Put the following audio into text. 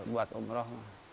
buat umroh mah